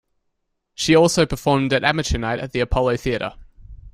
She also performed at amateur night at the Apollo Theater.